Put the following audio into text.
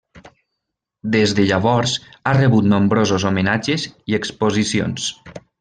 Des de llavors ha rebut nombrosos homenatges i exposicions.